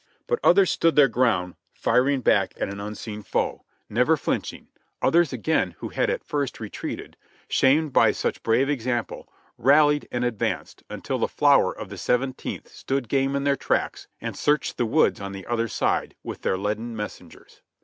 But others stood their ground, firing back at an unseen foe, 56 JOHNNY REB AND BILI^Y YANK never flinching; others again, who had at first retreated, shamed by such brave example, ralHed and advanced, until the flower of the Seventeenth stood game in their tracks and searched the woods on the other side with their leaden messengers.